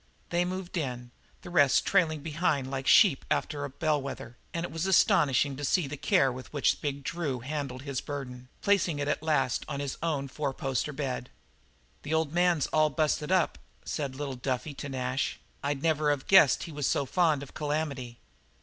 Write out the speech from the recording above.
They moved in, the rest trailing behind like sheep after a bell weather, and it was astonishing to see the care with which big Drew handled his burden, placing it at last on his own four poster bed. "The old man's all busted up," said little Duffy to Nash. "I'd never of guessed he was so fond of Calamity."